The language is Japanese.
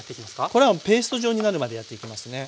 これはペースト状になるまでやっていきますね。